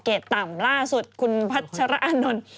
ต่ำล่าสุดคุณพัชรอานนท์